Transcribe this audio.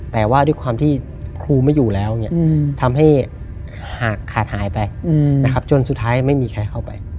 แต่ว่าด้วยความที่ครูไม่อยู่แล้วทำให้หากขาดหายไปนะครับจนสุดท้ายไม่มีใครเข้าไป